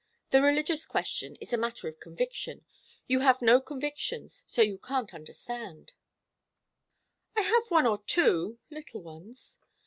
The religious question is a matter of conviction. You have no convictions, so you can't understand " "I have one or two little ones."